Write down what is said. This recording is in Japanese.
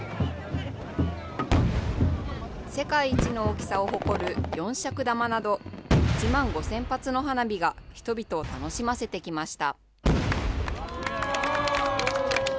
世界一の大きさを誇る四尺玉など、１万５０００発の花火が人々を楽しませてきました。